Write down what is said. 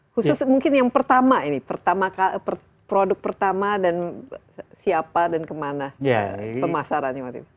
khusus mungkin yang pertama ini produk pertama dan siapa dan kemana pemasarannya waktu itu